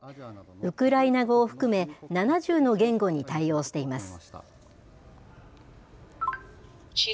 ウクライナ語を含め、７０の言語に対応しています。